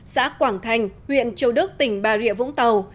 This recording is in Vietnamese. xã quảng thành huyện châu đức tỉnh bà rịa vũng tàu